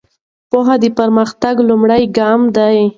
پوهه د پرمختګ لومړی ګام ده.